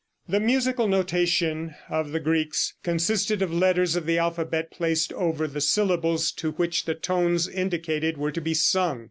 The musical notation of the Greeks consisted of letters of the alphabet placed over the syllables to which the tones indicated were to be sung.